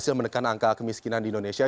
sudah hasil menekan angka kemiskinan di indonesia